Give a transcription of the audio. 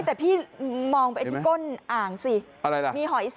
แต่พี่มองไปที่ก้นอ่างสิมีหอยสังด้วยอ่ะอะไรล่ะ